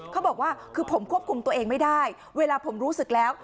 เขาบอกว่าคือผมควบคุมตัวเองไม่ได้เวลาผมรู้สึกแล้ว